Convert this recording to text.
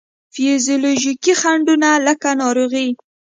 فزیولوجیکي خنډو نه لکه ناروغي،